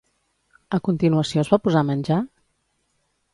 A continuació es va posar a menjar?